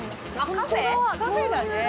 カフェだね。